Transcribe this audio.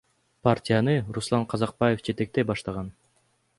Партияны Руслан Казакбаев жетектей баштаган.